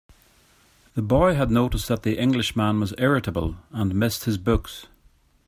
The boy had noticed that the Englishman was irritable, and missed his books.